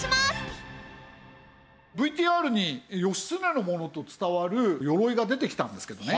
ＶＴＲに義経のものと伝わる鎧が出てきたんですけどね